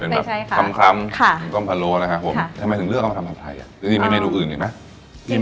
เป็นแบบคล้ำค่ะต้มพะโล้นะครับผมทำไมถึงเลือกเอามาทำผัดไทยอ่ะยังมีเมนูอื่นอีกไหม